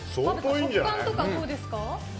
食感とかどうですか？